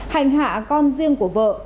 hành hạ con riêng của vợ